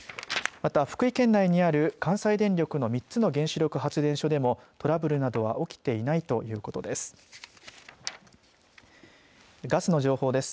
また福井県内にある関西電力の３つの原子力発電所でもトラブルなどは起きていないということです。